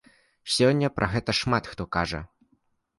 Сёння пра гэта шмат хто кажа.